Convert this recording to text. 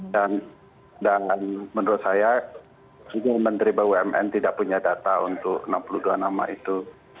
dan menurut saya menteri bumn tidak punya data untuk enam puluh dua nama itu